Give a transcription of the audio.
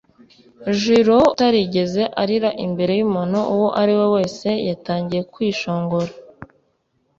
Jiro utarigeze arira imbere y'umuntu uwo ari we wese yatangiye kwishongora